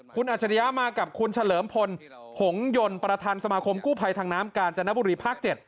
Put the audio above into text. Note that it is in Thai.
คุณอัจฉริยะมากับคุณเฉลิมพลหงยนต์ประธานสมาคมกู้ภัยทางน้ำกาญจนบุรีภาค๗